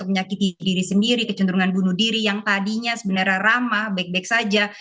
menyakiti diri sendiri kecenderungan bunuh diri yang tadinya sebenarnya ramah baik baik saja